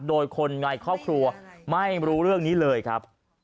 โดยคนในครอบครัวไม่รู้เรื่องนี้เลยครับ